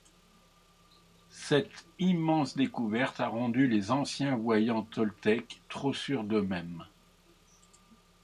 Cette immense découverte a rendu les anciens voyants toltèques trop sûrs d'eux-mêmes.